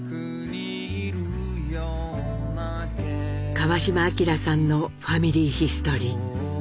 川島明さんのファミリーヒストリー。